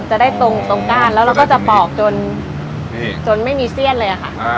จะได้ตรงก้านแล้วเราก็จะปอกจนไม่มีเสี้ยนเลยค่ะ